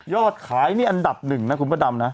ขายนี่อันดับหนึ่งนะคุณพระดำนะ